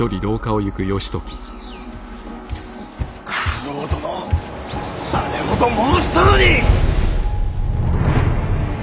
九郎殿あれほど申したのに！